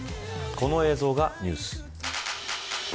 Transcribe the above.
この映像がニュース。